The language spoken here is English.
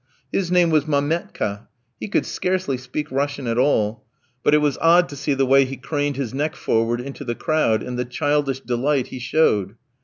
His name was Mametka, he could scarcely speak Russian at all, but it was odd to see the way he craned his neck forward into the crowd, and the childish delight he showed.